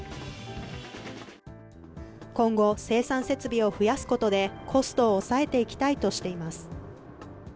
今後、生産設備を増やすことでコストを抑えていきたいとしています。